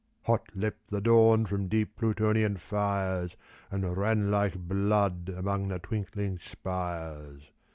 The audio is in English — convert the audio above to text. Hot leapt the dawn from deep Plutonian fires And ran like blood among the twinkling spires.